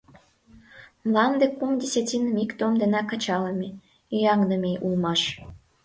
Мланде кум десятиным ик том денак ачалыме, ӱяҥдыме улмаш.